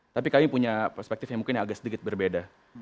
tapi kami punya perspektif yang mungkin agak sedikit berbeda